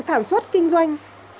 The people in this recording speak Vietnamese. sản xuất kinh doanh